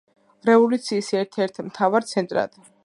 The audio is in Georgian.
რევოლუციის ერთ-ერთ მთავარ ცენტრად.